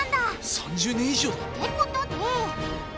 ３０年以上？ってことで！